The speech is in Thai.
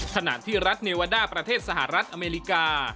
ขณะที่รัฐเนวาด้าประเทศสหรัฐอเมริกา